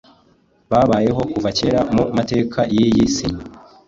babayeho kuva kera mu mateka yiyi si